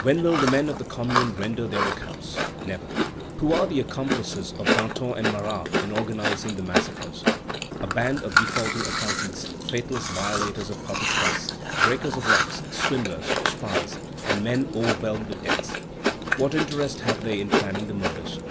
When will the men of the Commune render their accounts? Never. Who are the accomplices of Danton and Marat in organizing the massacres? A band of defaulting accountants, faithless violators of public trusts, breakers of locks, swindlers, spies, and men overwhelmed with debts. What interest have they in planning the murders?